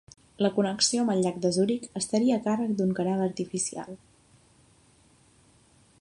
La connexió amb el llac de Zuric, estaria a càrrec d'un canal artificial.